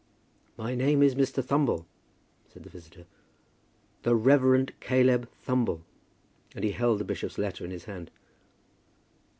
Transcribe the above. "My name is Mr. Thumble," said the visitor, "The Reverend Caleb Thumble," and he held the bishop's letter in his hand.